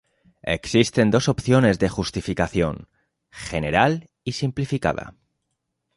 Existen dos opciones de justificación, general y simplificada.